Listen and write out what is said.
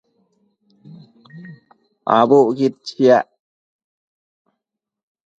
Abucquid chiac